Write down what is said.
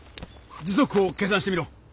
時速を計算してみろ。